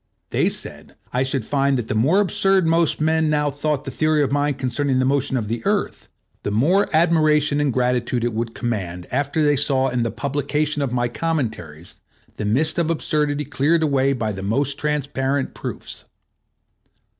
They said I should find that the more absurd most men now thought this theory of mine concerning the motion of the Earth, the more admiration and gratitude it would command after they saw in the publication of my commentaries the mist of absurdity cleared away by most transparent proofs.